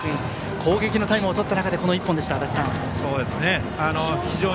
攻撃のタイムをとった中でのこの一本でした、足達さん。